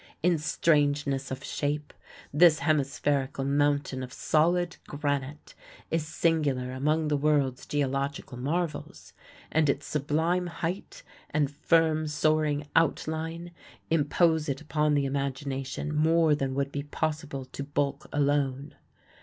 In strangeness of shape this hemispherical mountain of solid granite is singular among the world's geological marvels, and its sublime height and firm soaring outline impose it upon the imagination more than would be possible to bulk alone.